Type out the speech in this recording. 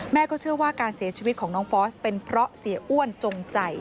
เชื่อว่าการเสียชีวิตของน้องฟอสเป็นเพราะเสียอ้วนจงใจ